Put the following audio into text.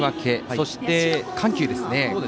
そして、緩急ですね。